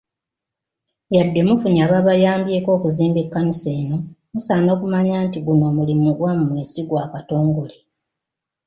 Yadde mufunye ababayambyeko okuzimba ekkanisa eno, musaana okumanya nti guno omulimu gwammwe si gwa Katongole.